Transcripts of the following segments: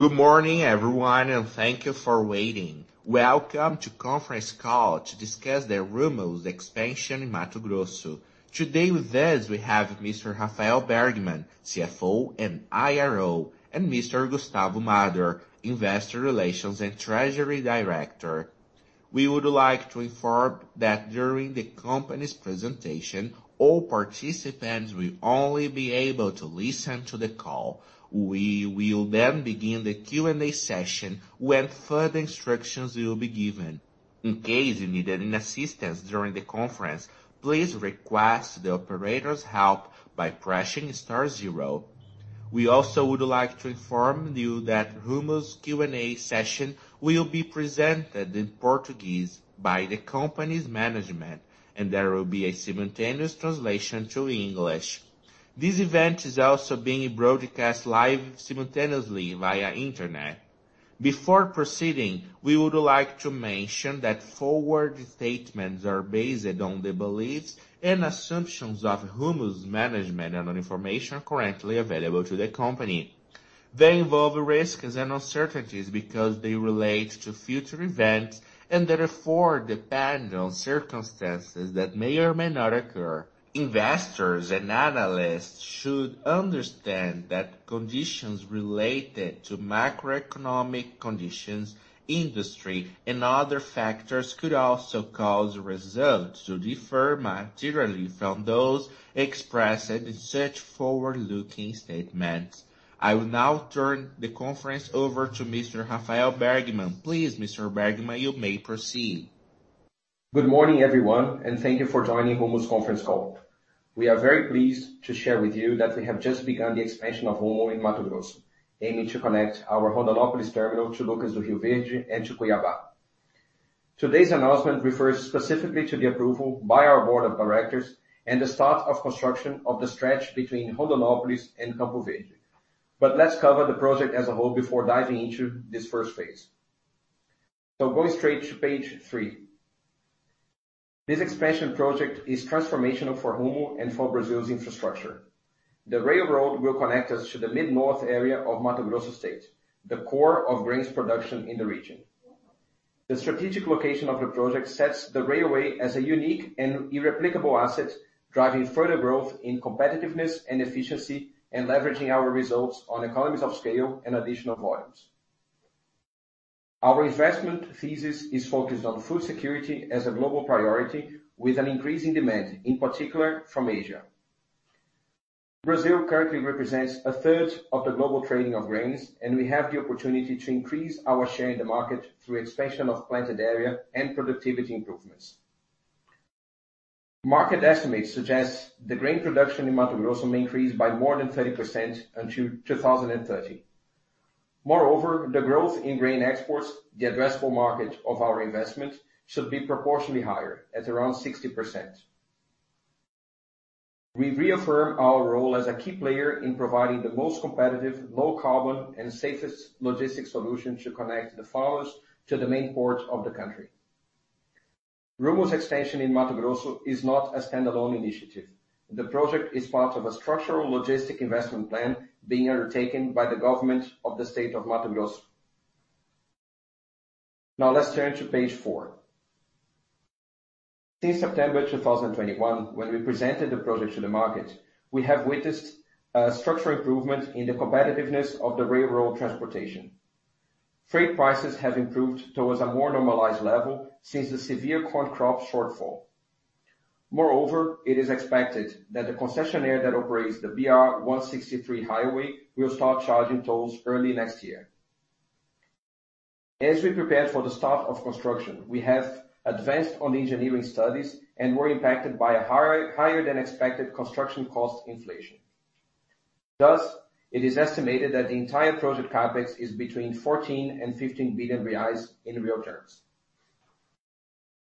Good morning everyone, and thank you for waiting. Welcome to conference call to discuss the Rumo's expansion in Mato Grosso. Today with us we have Mr. Rafael Bergman, CFO and IRO, and Mr. Gustavo Marder da Rosa, investor relations and treasury director. We would like to inform that during the company's presentation, all participants will only be able to listen to the call. We will then begin the Q&A session when further instructions will be given. In case you need any assistance during the conference, please request the operator's help by pressing star zero. We also would like to inform you that Rumo's Q&A session will be presented in Portuguese by the company's management, and there will be a simultaneous translation to English. This event is also being broadcast live simultaneously via internet. Before proceeding, we would like to mention that forward statements are based on the beliefs and assumptions of Rumo's management and on information currently available to the company. They involve risks and uncertainties because they relate to future events and therefore depend on circumstances that may or may not occur. Investors and analysts should understand that conditions related to macroeconomic conditions, industry, and other factors could also cause results to differ materially from those expressed in such forward-looking statements. I will now turn the conference over to Mr. Rafael Bergman. Please, Mr. Bergman, you may proceed. Good morning, everyone, and thank you for joining Rumo's conference call. We are very pleased to share with you that we have just begun the expansion of Rumo in Mato Grosso, aiming to connect our Rondonópolis terminal to Lucas do Rio Verde and to Cuiabá. Today's announcement refers specifically to the approval by our board of directors and the start of construction of the stretch between Rondonópolis and Campo Verde. Let's cover the project as a whole before diving into this first phase. Going straight to page three. This expansion project is transformational for Rumo and for Brazil's infrastructure. The railroad will connect us to the mid-north area of Mato Grosso State, the core of grains production in the region. The strategic location of the project sets the railway as a unique and irreplicable asset, driving further growth in competitiveness and efficiency, and leveraging our results on economies of scale and additional volumes. Our investment thesis is focused on food security as a global priority with an increasing demand, in particular from Asia. Brazil currently represents 1/3 of the global trading of grains, and we have the opportunity to increase our share in the market through expansion of planted area and productivity improvements. Market estimates suggests the grain production in Mato Grosso may increase by more than 30% until 2030. Moreover, the growth in grain exports, the addressable market of our investment, should be proportionally higher at around 60%. We reaffirm our role as a key player in providing the most competitive, low carbon, and safest logistics solution to connect the farmers to the main ports of the country. Rumo's extension in Mato Grosso is not a standalone initiative. The project is part of a structural logistic investment plan being undertaken by the government of the state of Mato Grosso. Now let's turn to page four. Since September 2021, when we presented the project to the market, we have witnessed a structural improvement in the competitiveness of the railroad transportation. Freight prices have improved towards a more normalized level since the severe corn crop shortfall. Moreover, it is expected that the concessionaire that operates the BR-163 highway will start charging tolls early next year. As we prepared for the start of construction, we have advanced on engineering studies and were impacted by a higher than expected construction cost inflation. Thus, it is estimated that the entire project CapEx is between 14 billion and 15 billion reais in real terms.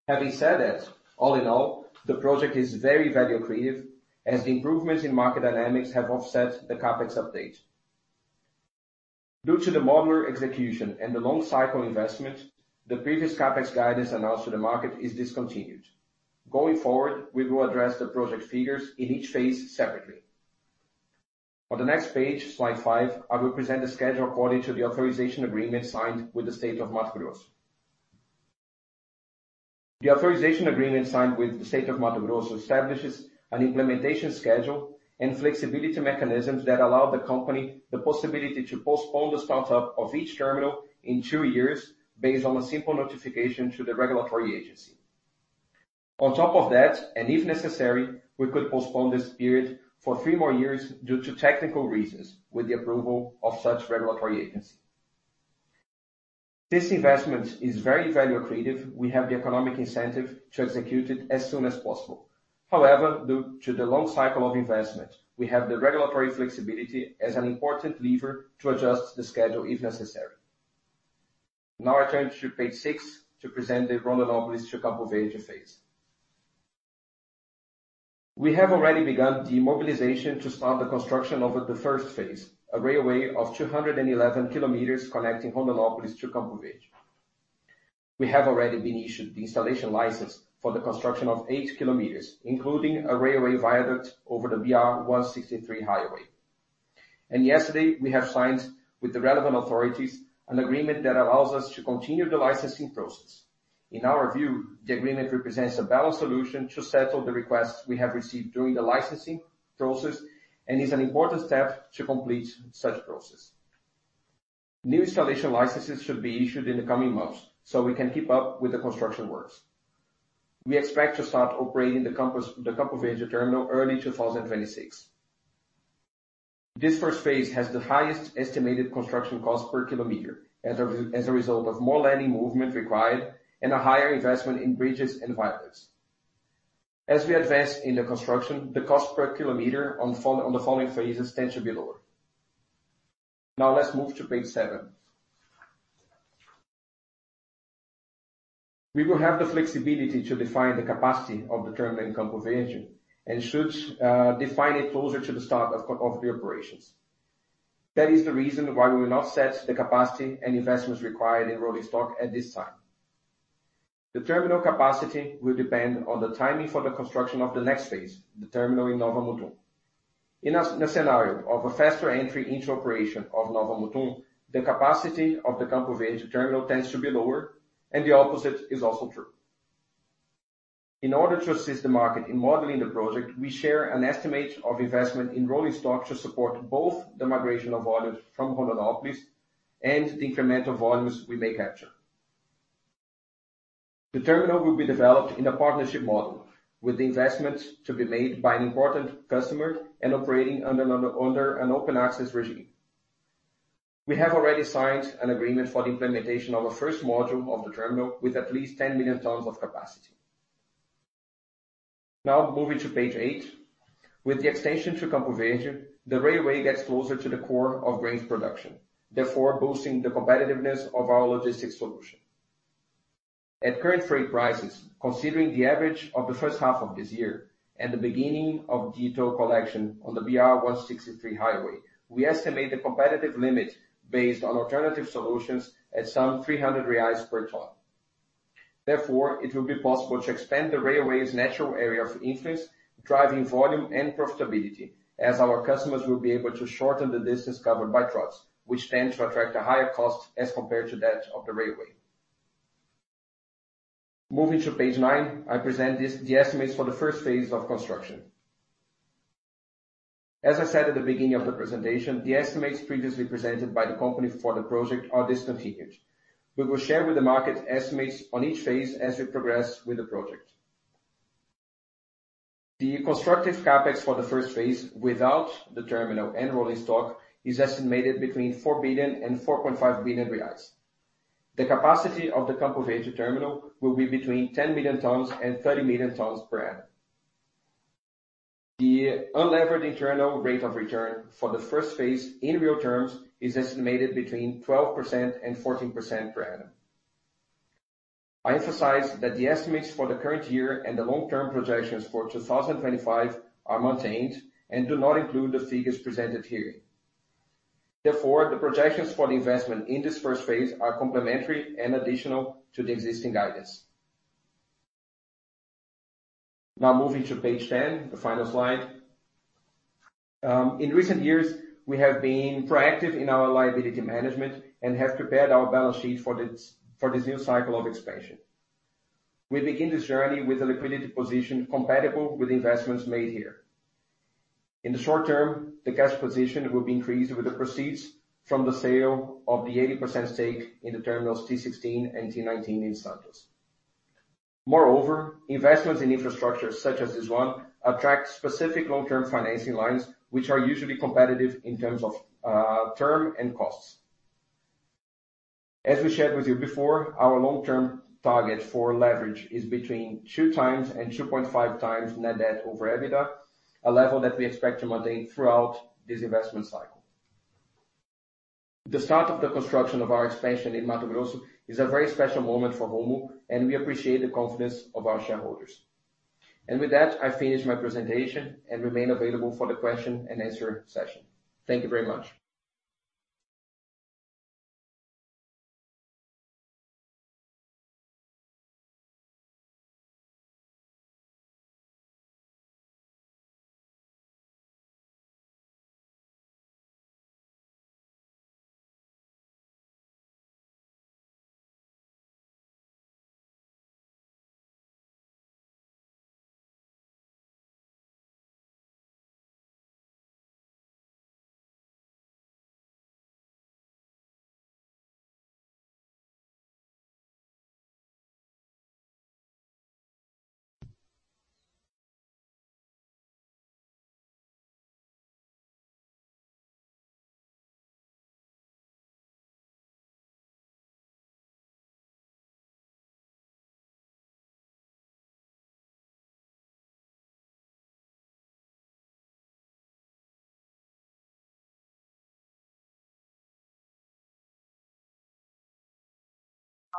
Having said that, all in all, the project is very value accretive as the improvements in market dynamics have offset the CapEx update. Due to the modular execution and the long cycle investment, the previous CapEx guidance announced to the market is discontinued. Going forward, we will address the project figures in each phase separately. On the next page, slide five, I will present the schedule according to the authorization agreement signed with the State of Mato Grosso. The authorization agreement signed with the State of Mato Grosso establishes an implementation schedule and flexibility mechanisms that allow the company the possibility to postpone the startup of each terminal in two years based on a simple notification to the regulatory agency. On top of that, and if necessary, we could postpone this period for three more years due to technical reasons with the approval of such regulatory agency. This investment is very value accretive. We have the economic incentive to execute it as soon as possible. However, due to the long cycle of investment, we have the regulatory flexibility as an important lever to adjust the schedule if necessary. Now I turn to page six to present the Rondonópolis to Campo Verde phase. We have already begun the mobilization to start the construction of the first phase, a railway of 211 kilometers connecting Rondonópolis to Campo Verde. We have already been issued the installation license for the construction of eight kilometers, including a railway viaduct over the BR-163 highway. Yesterday, we have signed with the relevant authorities an agreement that allows us to continue the licensing process. In our view, the agreement represents a balanced solution to settle the requests we have received during the licensing process, and is an important step to complete such process. New installation licenses should be issued in the coming months, so we can keep up with the construction works. We expect to start operating the Campo Verde terminal early 2026. This first phase has the highest estimated construction cost per kilometer as a result of more land movement required and a higher investment in bridges and viaducts. As we advance in the construction, the cost per kilometer on the following phases tends to be lower. Now let's move to page seven. We will have the flexibility to define the capacity of the terminal in Campo Verde and should define it closer to the start of the operations. That is the reason why we will not set the capacity and investments required in rolling stock at this time. The terminal capacity will depend on the timing for the construction of the next phase, the terminal in Nova Mutum. In a scenario of a faster entry into operation of Nova Mutum, the capacity of the Campo Verde terminal tends to be lower, and the opposite is also true. In order to assist the market in modeling the project, we share an estimate of investment in rolling stock to support both the migration of volumes from Rondonópolis and the incremental volumes we may capture. The terminal will be developed in a partnership model with the investments to be made by an important customer and operating under an open access regime. We have already signed an agreement for the implementation of a first module of the terminal with at least 10 million tons of capacity. Now moving to page eight. With the extension to Campo Verde, the railway gets closer to the core of grains production, therefore boosting the competitiveness of our logistics solution. At current freight prices, considering the average of the first half of this year and the beginning of digital collection on the BR-163 highway, we estimate the competitive limit based on alternative solutions at some 300 reais per ton. Therefore, it will be possible to expand the railway's natural area of influence, driving volume and profitability as our customers will be able to shorten the distance covered by trucks, which tend to attract a higher cost as compared to that of the railway. Moving to page nine, I present this, the estimates for the first phase of construction. As I said at the beginning of the presentation, the estimates previously presented by the company for the project are discontinued. We will share with the market estimates on each phase as we progress with the project. The constructive CapEx for the first phase without the terminal and rolling stock is estimated between 4 billion and 4.5 billion reais. The capacity of the Campo Verde terminal will be between 10 million tons and 30 million tons per annum. The unlevered internal rate of return for the first phase in real terms is estimated between 12% and 14% per annum. I emphasize that the estimates for the current year and the long-term projections for 2025 are maintained and do not include the figures presented here. Therefore, the projections for the investment in this first phase are complementary and additional to the existing guidance. Now moving to page 10, the final slide. In recent years, we have been proactive in our liability management and have prepared our balance sheet for this, for this new cycle of expansion. We begin this journey with a liquidity position compatible with investments made here. In the short term, the cash position will be increased with the proceeds from the sale of the 80% stake in the terminals T16 and T19 in Santos. Moreover, investments in infrastructure such as this one attract specific long-term financing lines, which are usually competitive in terms of term and costs. As we shared with you before, our long-term target for leverage is between 2x and 2.5x net debt over EBITDA, a level that we expect to maintain throughout this investment cycle. The start of the construction of our expansion in Mato Grosso is a very special moment for Rumo, and we appreciate the confidence of our shareholders. With that, I finish my presentation and remain available for the question and answer session. Thank you very much.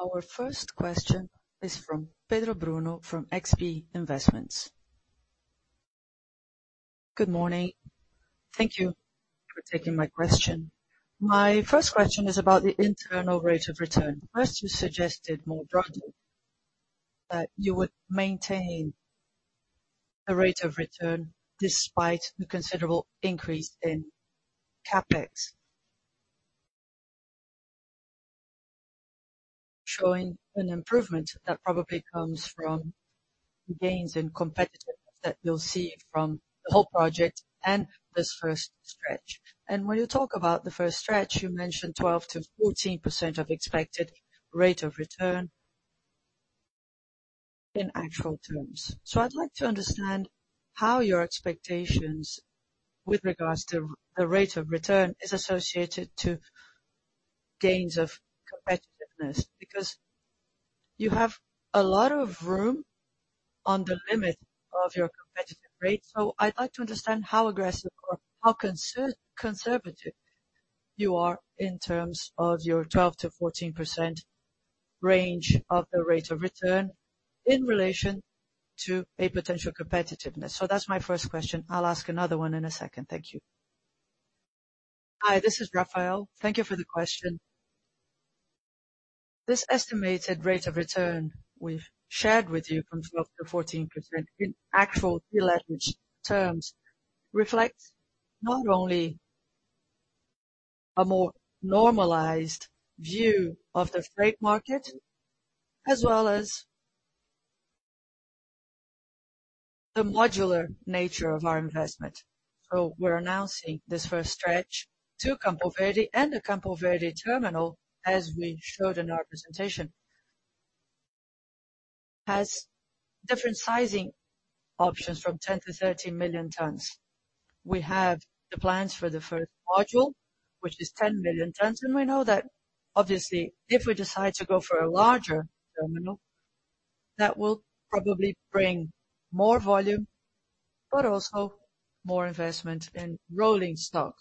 Our first question is from Pedro Bruno from XP Investimentos. Good morning. Thank you for taking my question. My first question is about the internal rate of return. First, you suggested more broadly that you would maintain a rate of return despite the considerable increase in CapEx. Showing an improvement that probably comes from gains in competitiveness that you'll see from the whole project and this first stretch. When you talk about the first stretch, you mentioned 12%-14% expected rate of return in actual terms. I'd like to understand how your expectations with regards to the rate of return is associated to gains of competitiveness, because you have a lot of room on the limit of your competitive rate. I'd like to understand how aggressive or how conservative you are in terms of your 12%-14% range of the rate of return in relation to a potential competitiveness. That's my first question. I'll ask another one in a second. Thank you. Hi, this is Rafael. Thank you for the question. This estimated rate of return we've shared with you from 12%-14% in actual deal average terms reflects not only a more normalized view of the freight market, as well as the modular nature of our investment. We're announcing this first stretch to Campo Verde and the Campo Verde terminal, as we showed in our presentation, has different sizing options from 10 million-13 million tons. We have the plans for the first module, which is 10 million tons, and we know that obviously, if we decide to go for a larger terminal, that will probably bring more volume, but also more investment in rolling stock.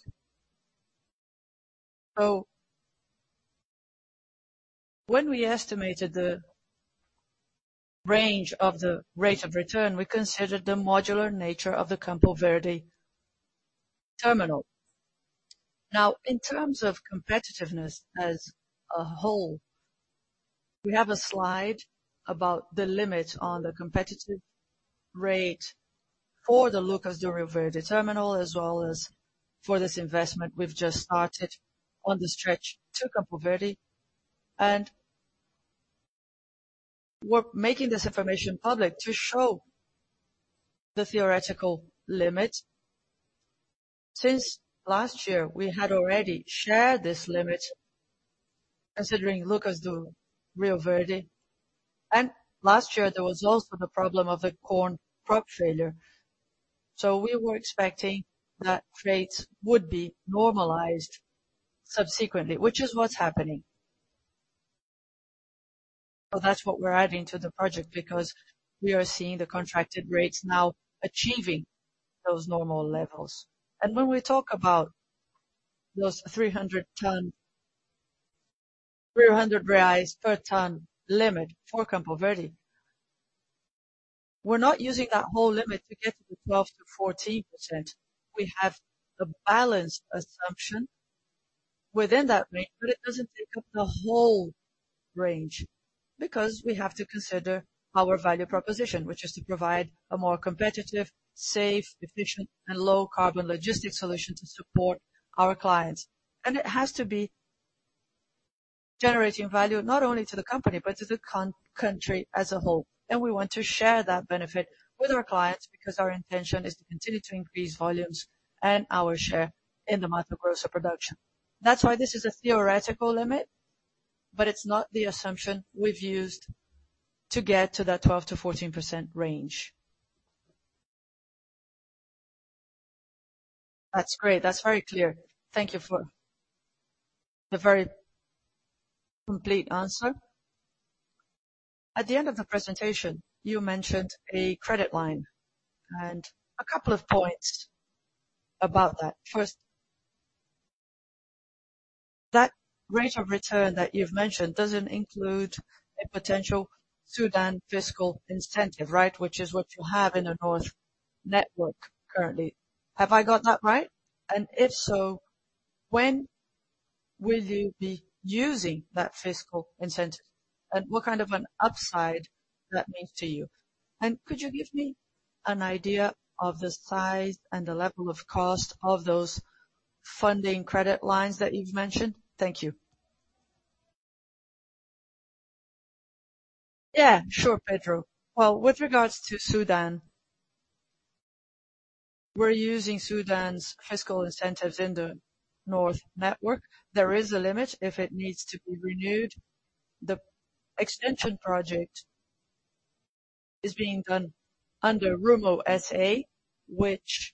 When we estimated the range of the rate of return, we considered the modular nature of the Campo Verde terminal. Now, in terms of competitiveness as a whole, we have a slide about the limit on the competitive rate for the Lucas do Rio Verde terminal, as well as for this investment we've just started on the stretch to Campo Verde, and we're making this information public to show the theoretical limit. Since last year, we had already shared this limit, considering Lucas do Rio Verde, and last year there was also the problem of a corn crop failure. We were expecting that rates would be normalized subsequently, which is what's happening. That's what we're adding to the project because we are seeing the contracted rates now achieving those normal levels. When we talk about those 300-ton, 300 per ton limit for Campo Verde, we're not using that whole limit to get to the 12%-14%. We have a balanced assumption within that range, but it doesn't take up the whole range because we have to consider our value proposition, which is to provide a more competitive, safe, efficient and low carbon logistics solution to support our clients. It has to be generating value not only to the company but to the country as a whole. We want to share that benefit with our clients because our intention is to continue to increase volumes and our share in the Mato Grosso production. That's why this is a theoretical limit, but it's not the assumption we've used to get to that 12%-14% range. That's great. That's very clear. Thank you for the very complete answer. At the end of the presentation, you mentioned a credit line and a couple of points about that. First, that rate of return that you've mentioned doesn't include a potential SUDENE fiscal incentive, right? Which is what you have in the Central Network currently. Have I got that right? And if so, when will you be using that fiscal incentive? And what kind of an upside that means to you? Could you give me an idea of the size and the level of cost of those funding credit lines that you've mentioned? Thank you. Yeah, sure, Pedro. Well, with regards to SUDENE, we're using SUDENE's fiscal incentives in the north network. There is a limit if it needs to be renewed. The extension project is being done under Rumo S.A., which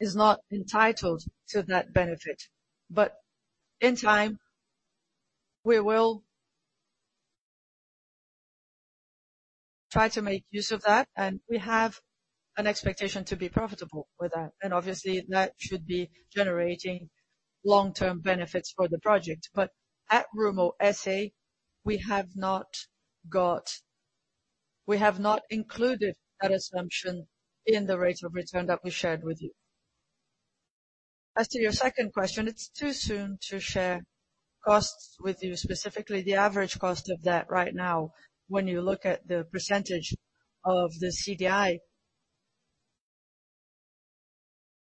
is not entitled to that benefit. But in time, we will try to make use of that, and we have an expectation to be profitable with that, and obviously that should be generating long-term benefits for the project. But at Rumo S.A., we have not included that assumption in the rate of return that we shared with you. As to your second question, it's too soon to share costs with you, specifically the average cost of that right now when you look at the percentage of the CDI.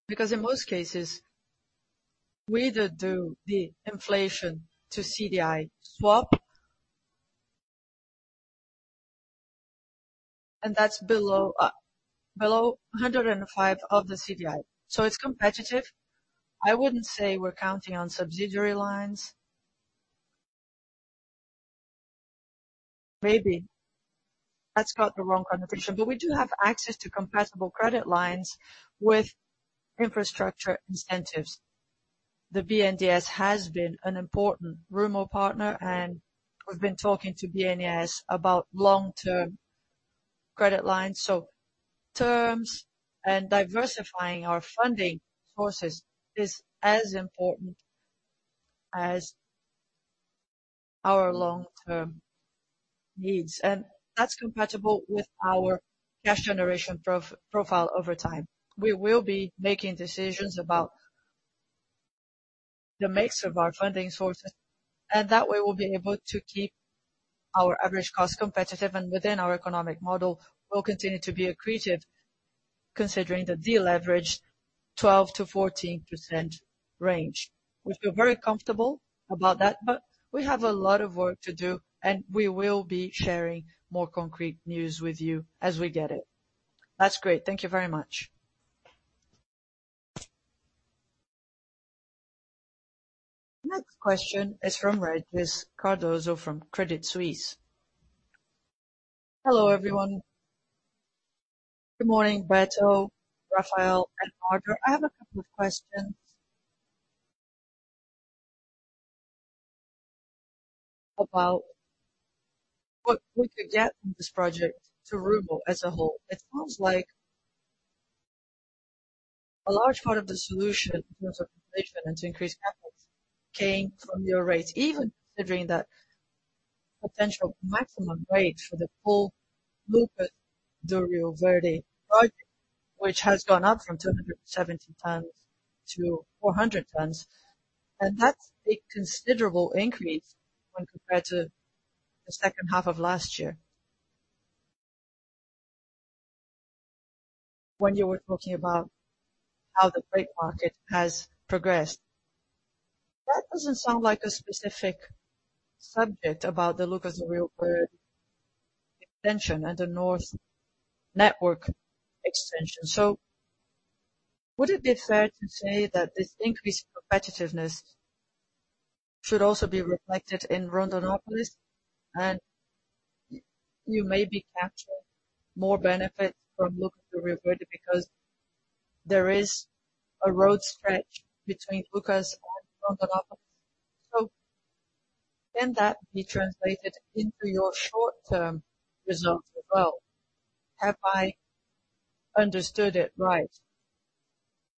Because in most cases, we either do the inflation to CDI swap, and that's below 105% of the CDI, so it's competitive. I wouldn't say we're counting on subsidiary lines. Maybe that's got the wrong interpretation. We do have access to compatible credit lines with infrastructure incentives. The BNDES has been an important Rumo partner, and we've been talking to BNDES about long-term credit lines. Terms and diversifying our funding sources is as important as our long-term needs, and that's compatible with our cash generation profile over time. We will be making decisions about the mix of our funding sources, and that way we'll be able to keep our average cost competitive and within our economic model. We'll continue to be accretive considering the deleverage 12%-14% range. We feel very comfortable about that, but we have a lot of work to do, and we will be sharing more concrete news with you as we get it. That's great. Thank you very much. Next question is from Régis Cardoso from Credit Suisse. Hello, everyone. Good morning, Beto, Rafael, and Margaret. I have a couple of questions about what we could get from this project to Rumo as a whole. It seems like a large part of the solution in terms of inflation and to increase capital came from your rates, even considering that potential maximum rate for the full Lucas do Rio Verde project, which has gone up from 270 tons to 400 tons. That's a considerable increase when compared to the second half of last year. When you were talking about how the freight market has progressed. That doesn't sound like a specific subject about the Lucas do Rio Verde extension and the North network extension. Would it be fair to say that this increased competitiveness should also be reflected in Rondonópolis, and you maybe capture more benefits from Lucas do Rio Verde because there is a road stretch between Lucas and Rondonópolis. Can that be translated into your short-term results as well? Have I understood it right?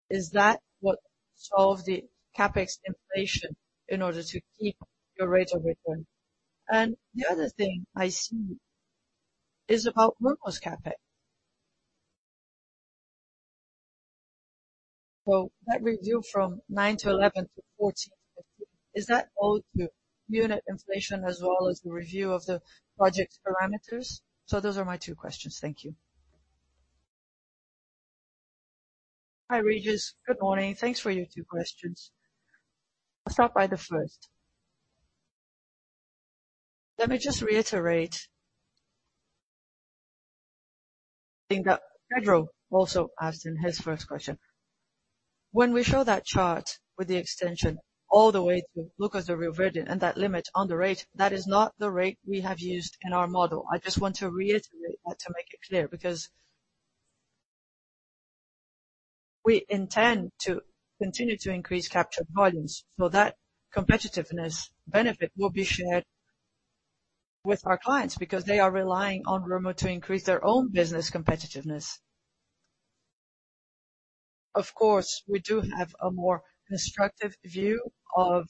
Is that what solved the CapEx inflation in order to keep your rate of return? The other thing I see is about Rumo's CapEx. That review from nine to 11 to 14 to 15, is that all to unit inflation as well as the review of the project's parameters? Those are my two questions. Thank you. Hi, Régis. Good morning. Thanks for your two questions. I'll start by the first. Let me just reiterate something that Pedro also asked in his first question. When we show that chart with the extension all the way through Lucas do Rio Verde and that limit on the rate, that is not the rate we have used in our model. I just want to reiterate that to make it clear, because we intend to continue to increase captured volumes. That competitiveness benefit will be shared with our clients because they are relying on Rumo to increase their own business competitiveness. Of course, we do have a more constructive view of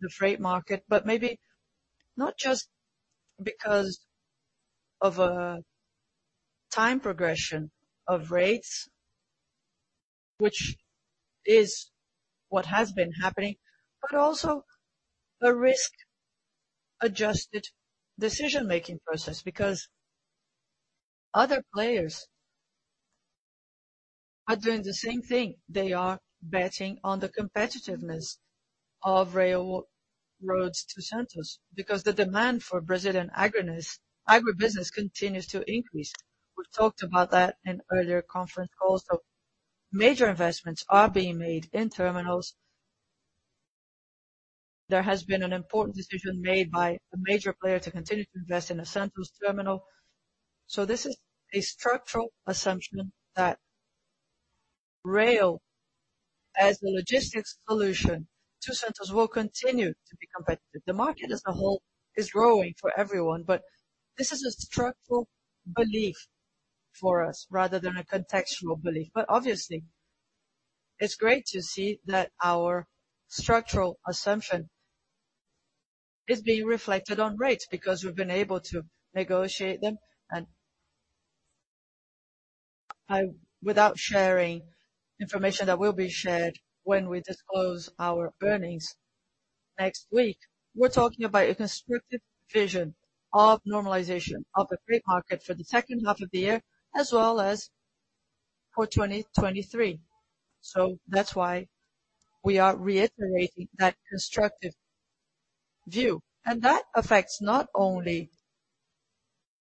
the freight market, but maybe not just because of a time progression of rates, which is what has been happening, but also a risk-adjusted decision-making process because other players are doing the same thing. They are betting on the competitiveness of railroads to Santos because the demand for Brazilian agribusiness continues to increase. We've talked about that in earlier conference calls. Major investments are being made in terminals. There has been an important decision made by a major player to continue to invest in a Santos terminal. This is a structural assumption that rail as the logistics solution to Santos will continue to be competitive. The market as a whole is growing for everyone, but this is a structural belief. For us, rather than a contextual belief. Obviously, it's great to see that our structural assumption is being reflected on rates because we've been able to negotiate them and without sharing information that will be shared when we disclose our earnings next week. We're talking about a constructive vision of normalization of the free market for the second half of the year, as well as for 2023. That's why we are reiterating that constructive view. That affects not only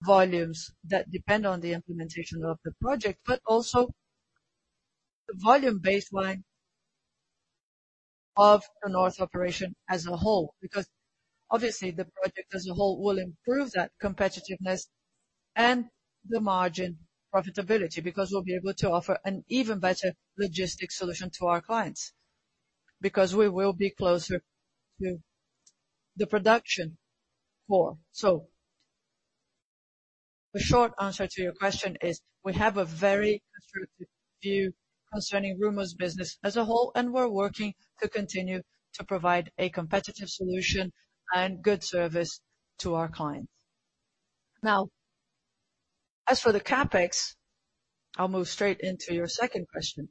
volumes that depend on the implementation of the project, but also the volume baseline of the Northern Operation as a whole. Because obviously, the project as a whole will improve that competitiveness and the margin profitability, because we'll be able to offer an even better logistics solution to our clients. Because we will be closer to the production floor. The short answer to your question is we have a very constructive view concerning Rumo's business as a whole, and we're working to continue to provide a competitive solution and good service to our clients. Now, as for the CapEx, I'll move straight into your second question.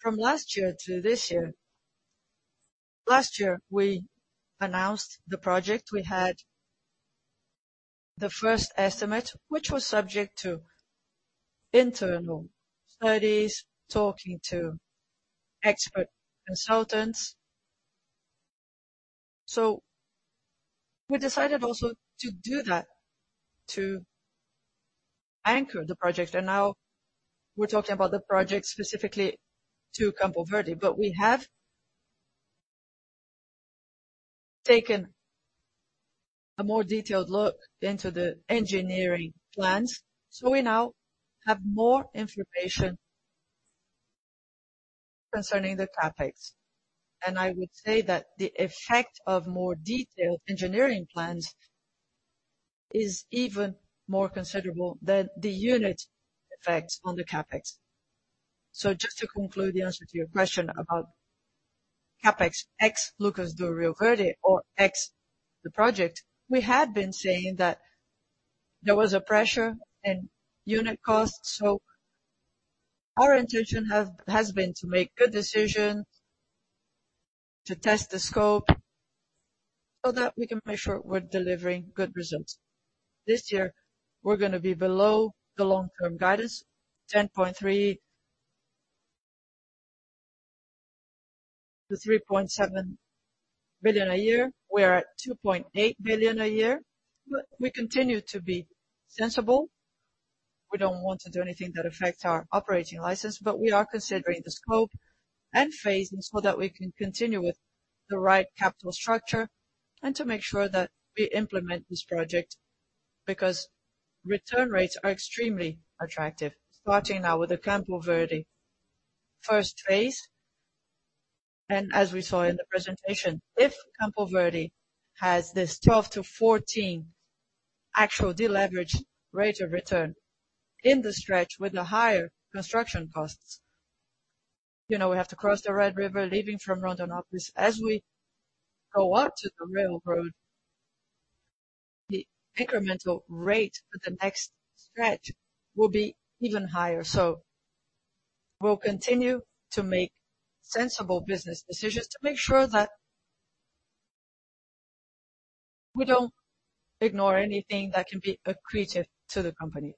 From last year to this year, last year, we announced the project. We had the first estimate, which was subject to internal studies, talking to expert consultants. We decided also to do that, to anchor the project. Now we're talking about the project specifically to Campo Verde. We have taken a more detailed look into the engineering plans, so we now have more information concerning the CapEx. I would say that the effect of more detailed engineering plans is even more considerable than the unit effects on the CapEx. Just to conclude the answer to your question about CapEx, ex Lucas do Rio Verde or ex the project, we had been saying that there was a pressure in unit costs. Our intention has been to make good decisions, to test the scope so that we can make sure we're delivering good results. This year, we're gonna be below the long-term guidance, 3.3 billion-3.7 billion a year. We're at 2.8 billion a year. We continue to be sensible. We don't want to do anything that affects our operating license, but we are considering the scope and phasing so that we can continue with the right capital structure and to make sure that we implement this project because return rates are extremely attractive. Starting now with the Campo Verde first phase, and as we saw in the presentation, if Campo Verde has this 12-14 unlevered internal rate of return in the stretch with the higher construction costs, you know we have to cross the Rio Vermelho leaving from Rondonópolis. As we go on to the railroad, the incremental rate for the next stretch will be even higher. We'll continue to make sensible business decisions to make sure that we don't ignore anything that can be accretive to the company.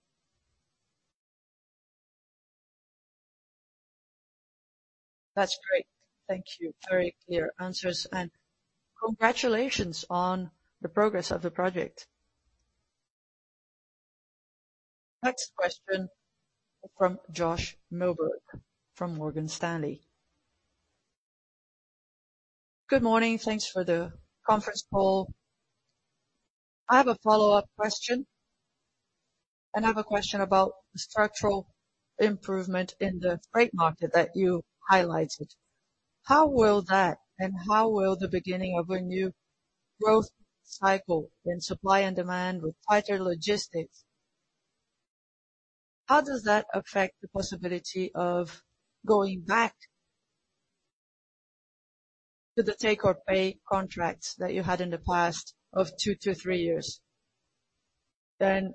That's great. Thank you. Very clear answers, and congratulations on the progress of the project. Next question from Josh Milberg from Morgan Stanley. Good morning. Thanks for the conference call. I have a follow-up question, and I have a question about structural improvement in the freight market that you highlighted. How will that and how will the beginning of a new growth cycle in supply and demand with tighter logistics affect the possibility of going back to the take-or-pay contracts that you had in the past of two to three years, then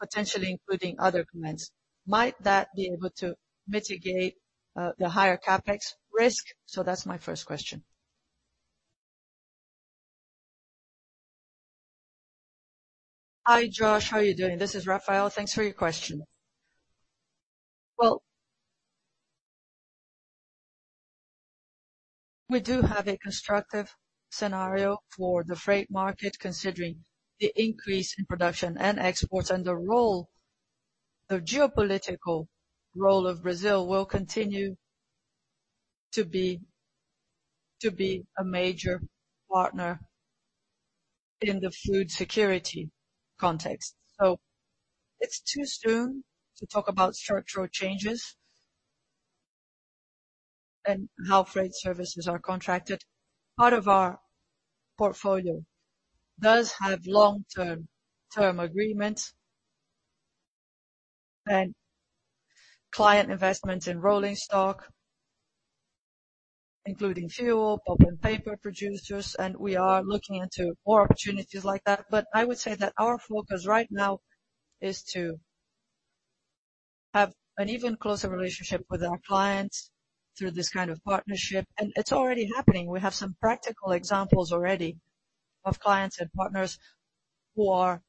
potentially including other commitments? Might that be able to mitigate the higher CapEx risk? That's my first question. Hi, Josh, how are you doing? This is Rafael. Thanks for your question. Well, we do have a constructive scenario for the freight market considering the increase in production and exports and the geopolitical role of Brazil will continue to be a major partner in the food security context. It's too soon to talk about structural changes and how freight services are contracted. Part of our portfolio does have long-term term agreements and client investments in rolling stock, including fuel, pulp and paper producers, and we are looking into more opportunities like that. I would say that our focus right now is to have an even closer relationship with our clients through this kind of partnership, and it's already happening. We have some practical examples already of clients and partners who are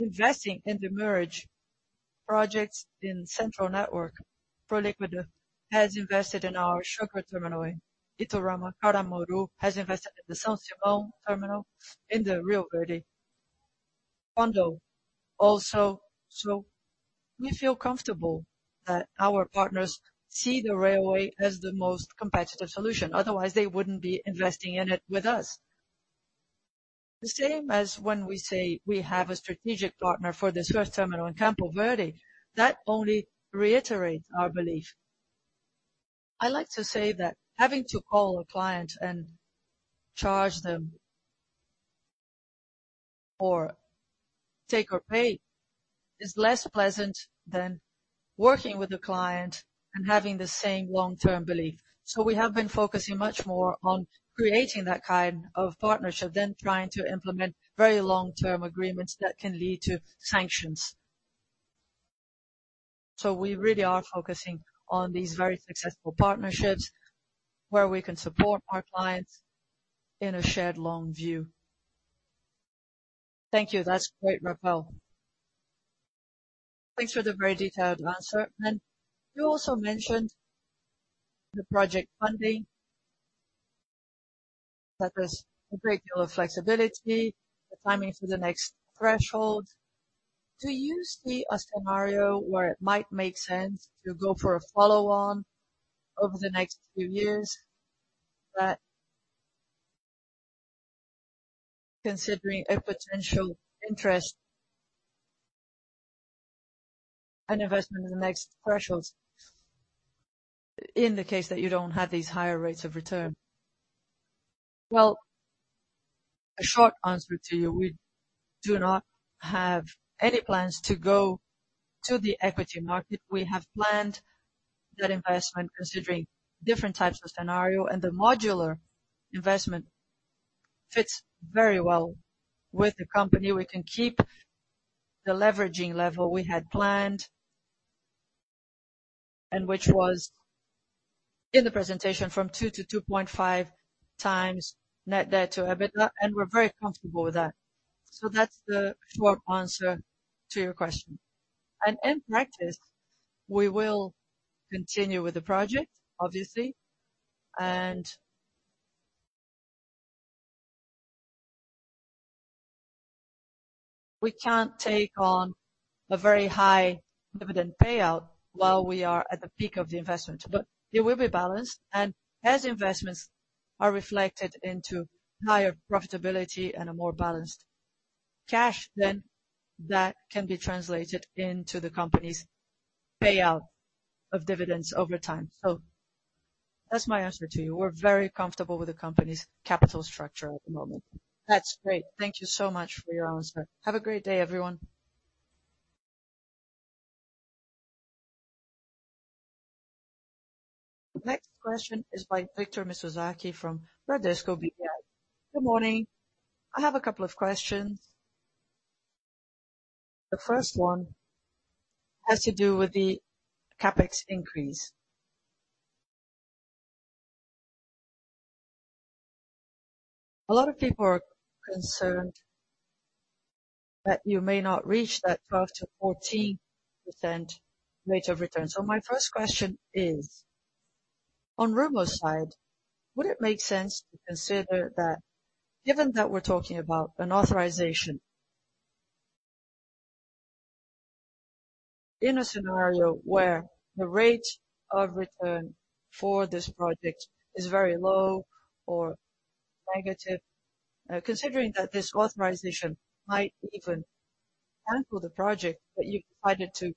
investing in the major projects in Central Network. ProLíquido has invested in our sugar terminal in Itirapina. Caramuru has invested in the São Simão terminal in the Rio Verde. Bunge also. We feel comfortable that our partners see the railway as the most competitive solution, otherwise they wouldn't be investing in it with us. The same as when we say we have a strategic partner for this first terminal in Campo Verde, that only reiterates our belief. I like to say that having to call a client and charge them or take-or-pay is less pleasant than working with the client and having the same long-term belief. We have been focusing much more on creating that kind of partnership than trying to implement very long-term agreements that can lead to sanctions. We really are focusing on these very successful partnerships where we can support our clients in a shared long view. Thank you. That's great, Rafael Bergman. Thanks for the very detailed answer. You also mentioned the project funding. That is a great deal of flexibility, the timing for the next threshold. Do you see a scenario where it might make sense to go for a follow-on over the next few years? That considering a potential interest and investment in the next thresholds in the case that you don't have these higher rates of return? Well, a short answer to you. We do not have any plans to go to the equity market. We have planned that investment considering different types of scenario, and the modular investment fits very well with the company. We can keep the leveraging level we had planned, and which was in the presentation from 2x to 2.5x net debt to EBITDA, and we're very comfortable with that. That's the short answer to your question. In practice, we will continue with the project, obviously, and we can't take on a very high dividend payout while we are at the peak of the investment. It will be balanced, and as investments are reflected into higher profitability and a more balanced cash, then that can be translated into the company's payout of dividends over time. That's my answer to you. We're very comfortable with the company's capital structure at the moment. That's great. Thank you so much for your answer. Have a great day, everyone. The next question is by Victor Mizusaki from Bradesco BBI. Good morning. I have a couple of questions. The first one has to do with the CapEx increase. A lot of people are concerned that you may not reach that 12%-14% rate of return. My first question is, on Rumo's side, would it make sense to consider that given that we're talking about an authorization in a scenario where the rate of return for this project is very low or negative, considering that this authorization might even cancel the project, but you decided to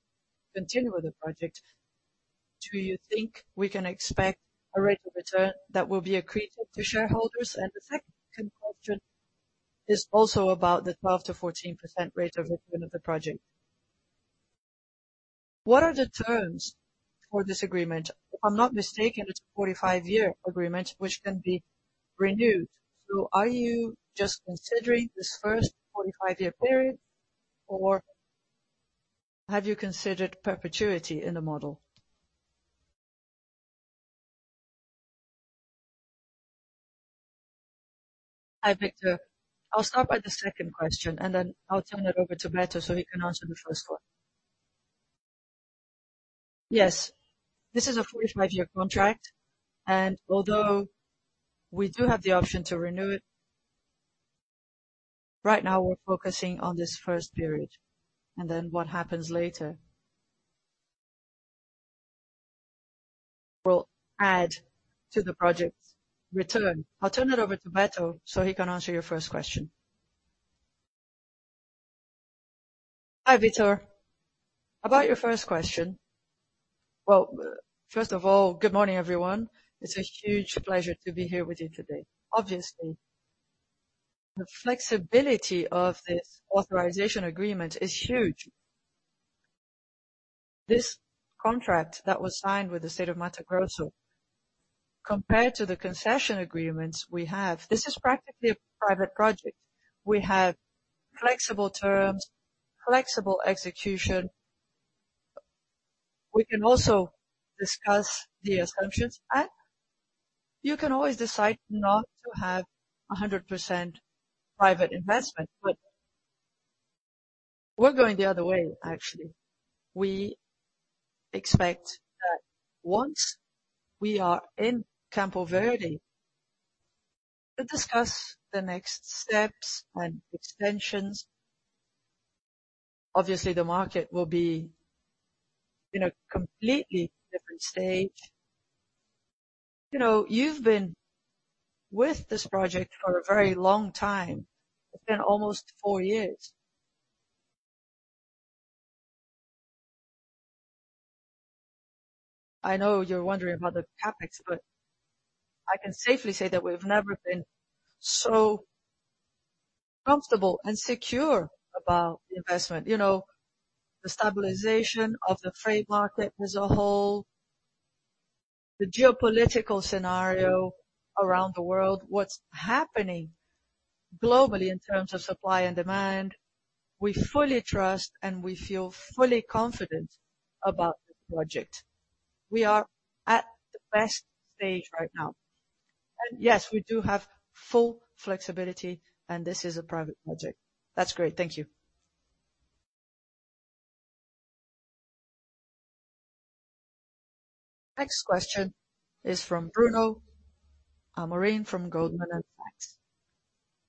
continue with the project, do you think we can expect a rate of return that will be accretive to shareholders? The second question is also about the 12%-14% rate of return of the project. What are the terms for this agreement? If I'm not mistaken, it's a 45-year agreement which can be renewed. Are you just considering this first 45-year period, or have you considered perpetuity in the model? Hi, Victor. I'll start with the second question, and then I'll turn it over to Beto, so he can answer the first one. Yes, this is a 45-year contract, and although we do have the option to renew it, right now we're focusing on this first period, and then what happens later will add to the project's return. I'll turn it over to Beto so he can answer your first question. Hi, Victor. About your first question. Well, first of all, good morning, everyone. It's a huge pleasure to be here with you today. Obviously, the flexibility of this authorization agreement is huge. This contract that was signed with the State of Mato Grosso, compared to the concession agreements we have, this is practically a private project. We have flexible terms, flexible execution. We can also discuss the assumptions, and you can always decide not to have a 100% private investment. We're going the other way actually. We expect that once we are in Campo Verde, we'll discuss the next steps and extensions. Obviously, the market will be in a completely different stage. You know, you've been with this project for a very long time. It's been almost four years. I know you're wondering about the CapEx, but I can safely say that we've never been so comfortable and secure about investment. You know, the stabilization of the freight market as a whole, the geopolitical scenario around the world, what's happening globally in terms of supply and demand, we fully trust and we feel fully confident about the project. We are at the best stage right now. Yes, we do have full flexibility, and this is a private project. That's great. Thank you. Next question is from Bruno Amorim from Goldman Sachs.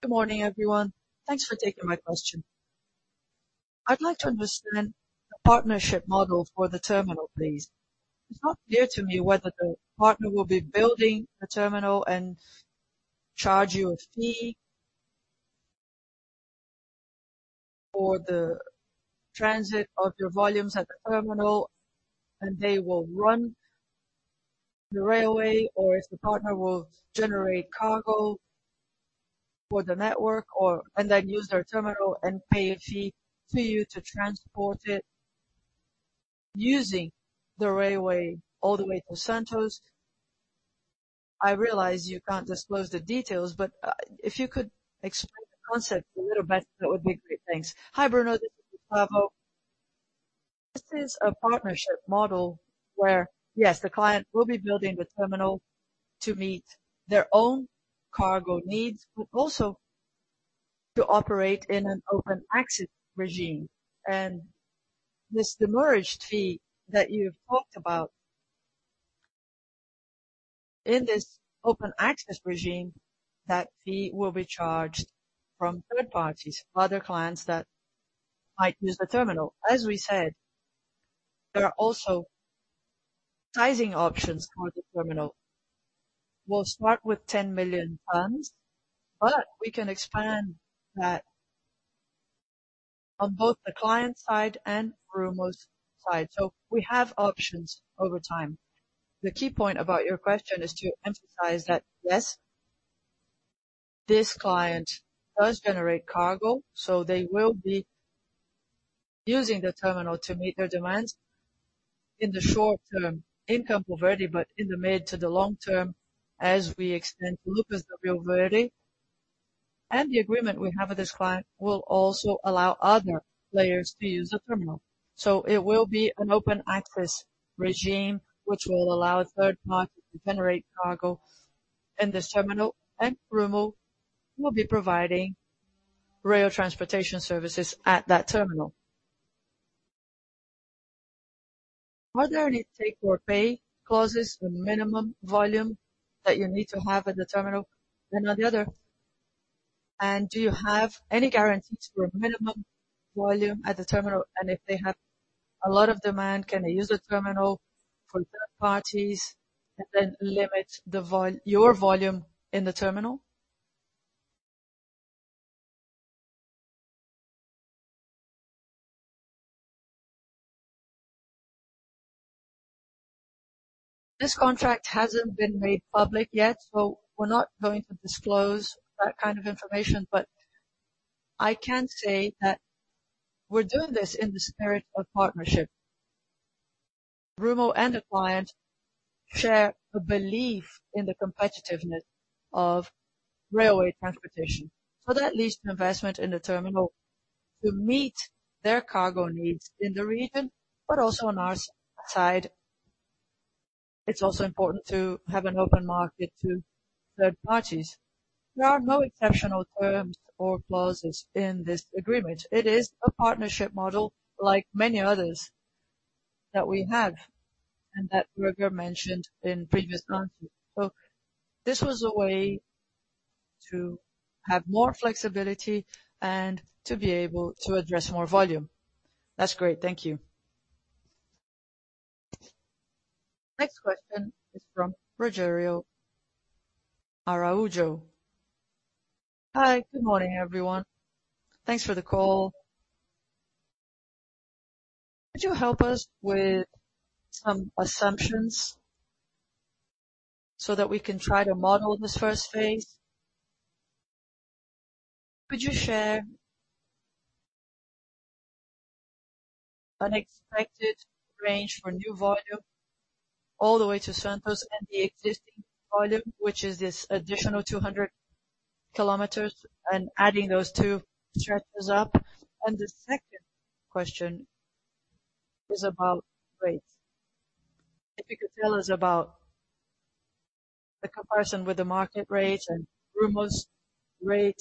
Good morning, everyone. Thanks for taking my question. I'd like to understand the partnership model for the terminal, please. It's not clear to me whether the partner will be building a terminal and charge you a fee for the transit of your volumes at the terminal, and they will run the railway, or if the partner will generate cargo for the network or and then use their terminal and pay a fee to you to transport it using the railway all the way to Santos. I realize you can't disclose the details, but if you could explain the concept a little better, that would be great. Thanks. Hi, Bruno. This is Gustavo. This is a partnership model where, yes, the client will be building the terminal to meet their own cargo needs, but also to operate in an open access regime. This demurrage fee that you've talked about in this open access regime, that fee will be charged from third parties, other clients that might use the terminal. As we said, there are also sizing options for the terminal. We'll start with 10 million tons, but we can expand that on both the client side and Rumo's side. We have options over time. The key point about your question is to emphasize that, yes, this client does generate cargo, so they will be using the terminal to meet their demands in the short term in Campo Verde, but in the mid to the long term, as we extend Lucas do Rio Verde. The agreement we have with this client will also allow other players to use the terminal. It will be an open access regime, which will allow a third party to generate cargo in this terminal, and Rumo will be providing rail transportation services at that terminal. Are there any take-or-pay clauses with minimum volume that you need to have at the terminal than on the other? Do you have any guarantees for a minimum volume at the terminal? If they have a lot of demand, can they use the terminal for third parties and then limit your volume in the terminal? This contract hasn't been made public yet, so we're not going to disclose that kind of information. I can say that we're doing this in the spirit of partnership. Rumo and the client share a belief in the competitiveness of railway transportation. that leads to investment in the terminal to meet their cargo needs in the region, but also on our side, it's also important to have an open market to third parties. There are no exceptional terms or clauses in this agreement. It is a partnership model like many others that we have and that Rafael Bergman mentioned in previous answers. this was a way to have more flexibility and to be able to address more volume. That's great. Thank you. Next question is from Rogério Araújo. Hi, good morning, everyone. Thanks for the call. Could you help us with some assumptions so that we can try to model this first phase? Could you share an expected range for new volume all the way to Santos and the existing volume, which is this additional 200 kilometers and adding those two stretches up? And the second question is about rates. If you could tell us about the comparison with the market rates and Rumo's rate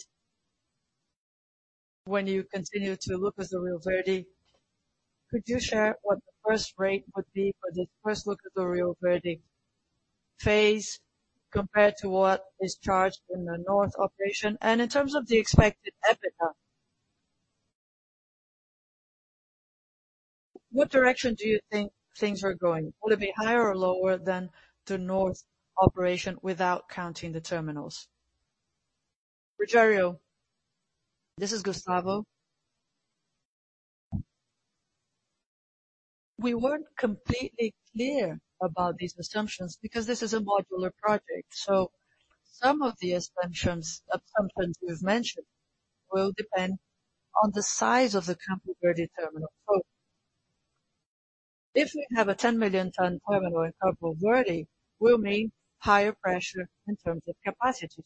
when you continue to look at the Rio Verde? Could you share what the first rate would be for this first look at the Rio Verde phase compared to what is charged in the Northern Operation? In terms of the expected EBITDA, what direction do you think things are going? Will it be higher or lower than the Northern Operation without counting the terminals? Rogério, this is Gustavo. We weren't completely clear about these assumptions because this is a modular project. Some of the assumptions you've mentioned will depend on the size of the Campo Verde terminal. If we have a 10 million ton terminal in Campo Verde, it will mean higher pressure in terms of capacity.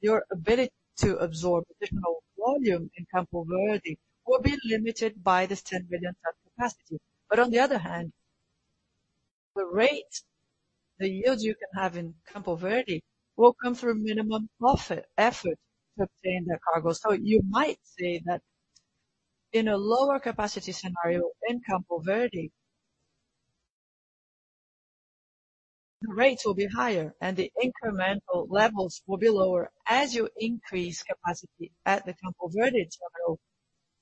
Your ability to absorb additional volume in Campo Verde will be limited by this 10 million-ton capacity. On the other hand, the rate, the yields you can have in Campo Verde will come from minimum effort to obtain the cargo. You might say that in a lower capacity scenario in Campo Verde, the rates will be higher and the incremental levels will be lower. As you increase capacity at the Campo Verde terminal,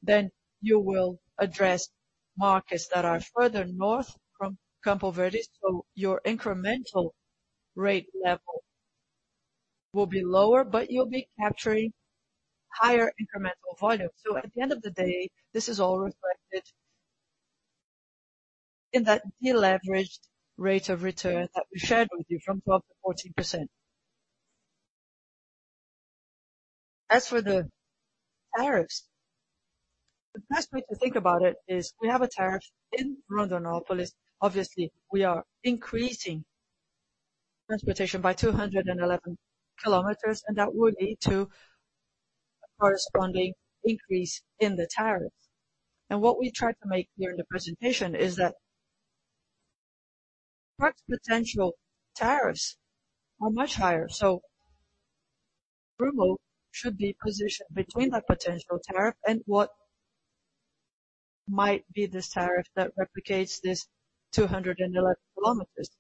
then you will address markets that are further north from Campo Verde. Your incremental rate level will be lower, but you'll be capturing higher incremental volume. At the end of the day, this is all reflected in that deleveraged rate of return that we shared with you from 12%-14%. As for the tariffs, the best way to think about it is we have a tariff in Rondonópolis. Obviously, we are increasing transportation by 211 kilometers, and that will lead to a corresponding increase in the tariff. What we tried to make clear in the presentation is that port's potential tariffs are much higher. Bruno should be positioned between that potential tariff and what might be this tariff that replicates this 211 kilometers.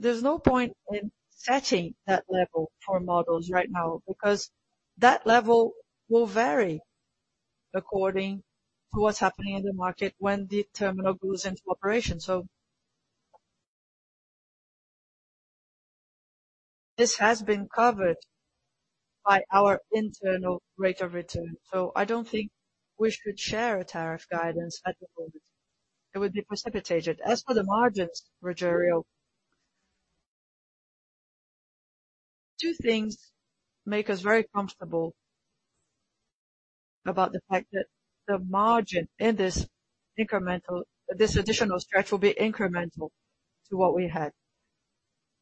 There's no point in setting that level for models right now because that level will vary according to what's happening in the market when the terminal goes into operation. This has been covered by our internal rate of return. I don't think we should share a tariff guidance at the moment. It would be precipitated. As for the margins, Rogério, two things make us very comfortable about the fact that the margin in this additional stretch will be incremental to what we had.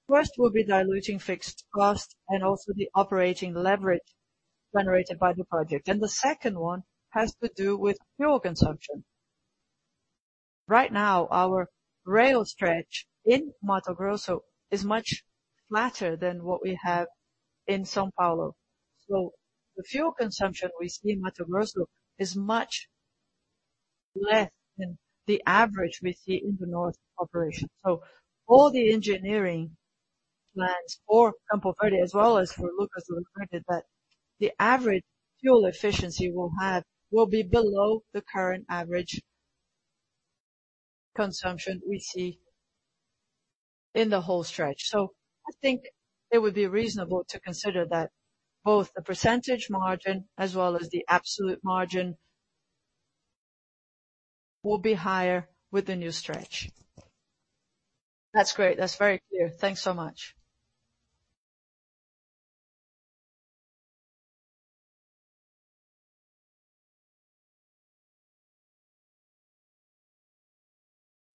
First, we'll be diluting fixed costs and also the operating leverage generated by the project. The second one has to do with fuel consumption. Right now, our rail stretch in Mato Grosso is much flatter than what we have in São Paulo. The fuel consumption we see in Mato Grosso is much less than the average we see in the Northern Operation. All the engineering plans for Campo Verde as well as for Lucas do Rio Verde, that the average fuel efficiency we'll have will be below the current average consumption we see in the whole stretch. I think it would be reasonable to consider that both the percentage margin as well as the absolute margin will be higher with the new stretch. That's great. That's very clear. Thanks so much.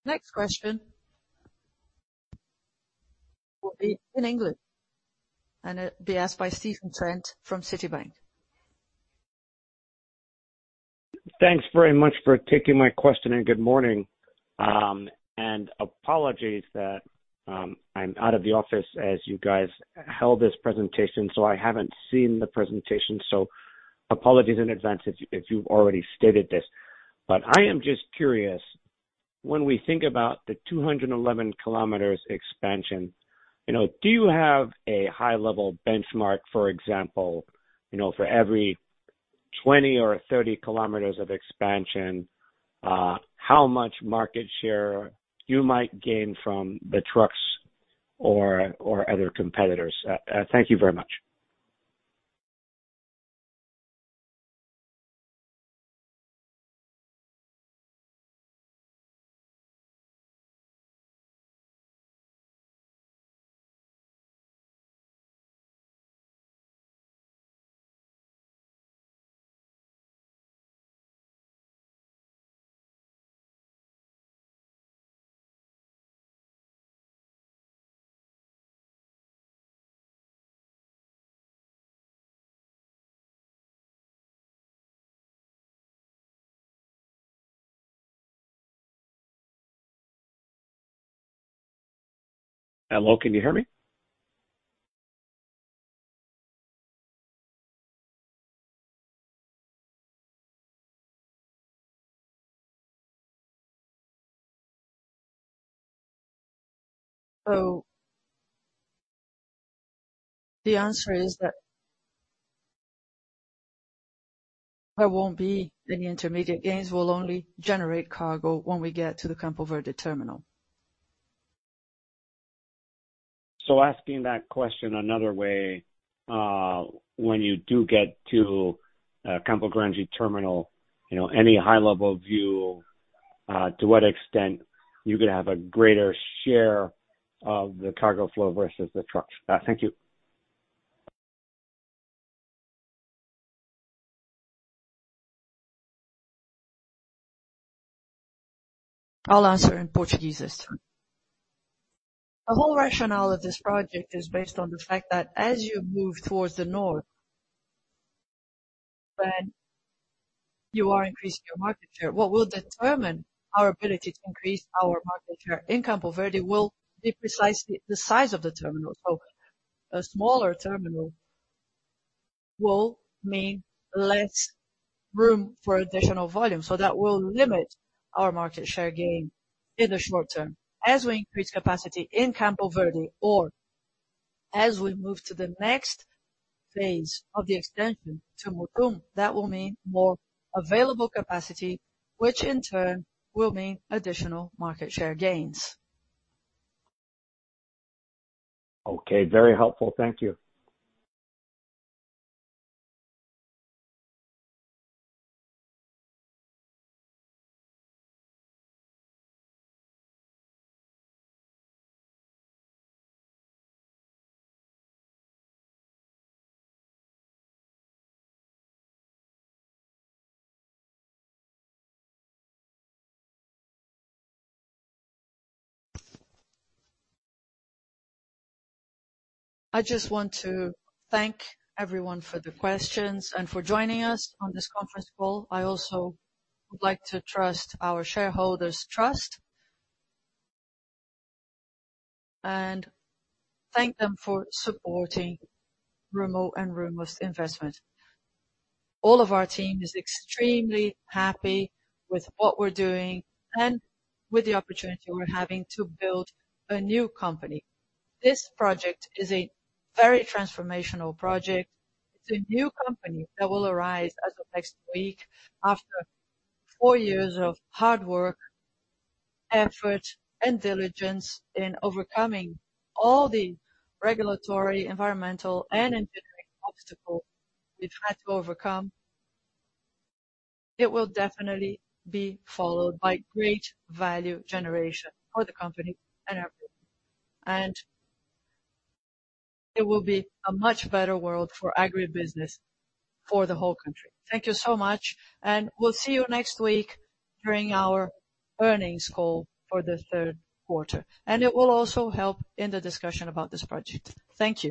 Next question will be in England, and it'll be asked by Stephen Trent from Citibank. Thanks very much for taking my question, and good morning. Apologies that I'm out of the office as you guys held this presentation, so I haven't seen the presentation. Apologies in advance if you've already stated this. I am just curious, when we think about the 211 kilometers expansion, you know, do you have a high level benchmark, for example, you know, for every 20 or 30 kilometers of expansion, how much market share you might gain from the trucks or other competitors? Thank you very much. Hello, can you hear me? The answer is that there won't be any intermediate gains. We'll only generate cargo when we get to the Campo Verde terminal. Asking that question another way, when you do get to Campo Verde terminal, you know, any high-level view to what extent you could have a greater share of the cargo flow versus the trucks. Thank you. I'll answer in Portuguese this time. The whole rationale of this project is based on the fact that as you move towards the north, then you are increasing your market share. What will determine our ability to increase our market share in Campo Verde will be precisely the size of the terminal. A smaller terminal will mean less room for additional volume. That will limit our market share gain in the short term. As we increase capacity in Campo Verde, or as we move to the next phase of the extension to Nova Mutum, that will mean more available capacity, which in turn will mean additional market share gains. Okay. Very helpful. Thank you. I just want to thank everyone for the questions and for joining us on this conference call. I also would like to thank our shareholders for their trust. Thank them for supporting Rumo with investment. All of our team is extremely happy with what we're doing and with the opportunity we're having to build a new company. This project is a very transformational project. It's a new company that will arise as of next week after four years of hard work, effort, and diligence in overcoming all the regulatory, environmental, and engineering obstacles we've had to overcome. It will definitely be followed by great value generation for the company and everyone. It will be a much better world for agribusiness for the whole country. Thank you so much, and we'll see you next week during our earnings call for the third quarter. It will also help in the discussion about this project. Thank you.